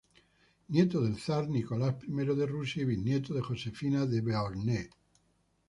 Nieto del zar Nicolás I de Rusia y bisnieto de Josefina de Beauharnais.